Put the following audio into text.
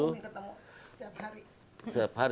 ketemu ummi ketemu setiap hari